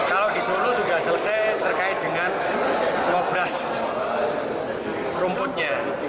kalau di solo sudah selesai terkait dengan ngobras rumputnya